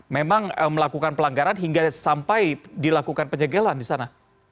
memang melakukan pelanggaran hingga sampai dilakukan penyegelan di sana